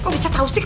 kok bisa tau sih